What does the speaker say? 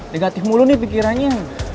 negatif mulu nih pikirannya